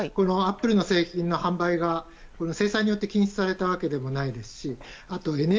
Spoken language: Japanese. アップルの製品の販売が制裁によって禁止されたわけでもないですし